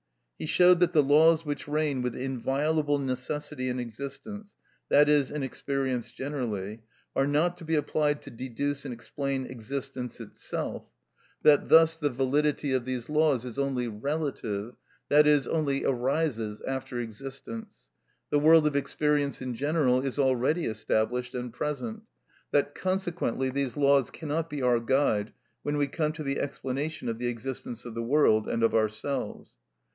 He showed that the laws which reign with inviolable necessity in existence, i.e., in experience generally, are not to be applied to deduce and explain existence itself that thus the validity of these laws is only relative, i.e., only arises after existence; the world of experience in general is already established and present; that consequently these laws cannot be our guide when we come to the explanation of the existence of the world and of ourselves.